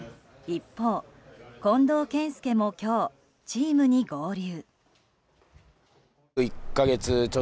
一方、近藤健介も今日チームに合流。